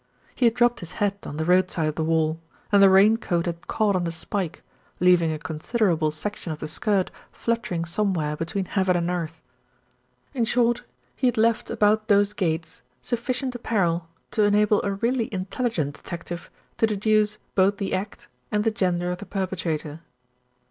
He had dropped his hat on the road side of the wall, and the rain coat had caught on a spike, leaving a considerable section of the skirt fluttering somewhere between heaven and earth. In short, he had left about those gates sufficient apparel to enable a really intelligent detective to de duce both the act and the gender of the perpetrator.